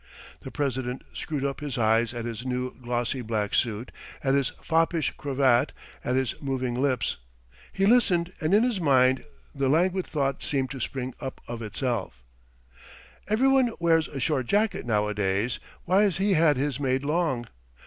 The president screwed up his eyes at his new glossy black suit, at his foppish cravat, at his moving lips; he listened and in his mind the languid thought seemed to spring up of itself: "Everyone wears a short jacket nowadays, why has he had his made long?